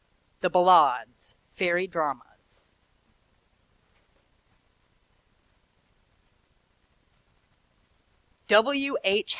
THE BALLADES: FAERY DRAMAS W. H.